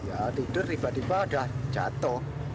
ya tidur tiba tiba udah jatuh